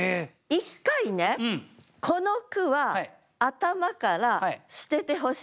一回ねこの句は頭から捨ててほしいんです。